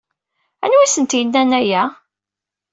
Anwa ay asent-yennan aya?